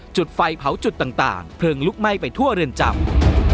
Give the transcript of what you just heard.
จุดไฟเผาจุดต่างเพลิงลุกไหม้ไปทั่วเรือนจำ